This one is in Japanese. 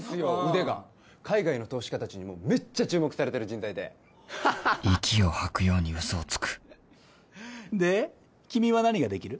腕が海外の投資家達にもめっちゃ注目されてる人材で息を吐くように嘘をつくで君は何ができる？